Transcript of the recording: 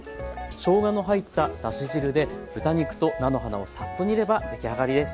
しょうがの入っただし汁で豚肉と菜の花をサッと煮れば出来上がりです。